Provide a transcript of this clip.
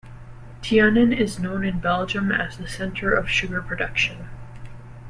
Tienen is known in Belgium as the center of sugar production.